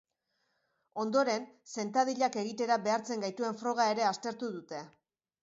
Ondoren, sentadillak egitera behartzen gaituen froga ere aztertu dute.